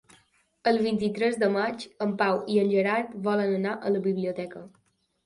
El vint-i-tres de maig en Pau i en Gerard volen anar a la biblioteca.